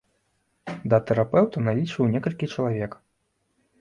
Да тэрапеўта налічваю некалькі чалавек.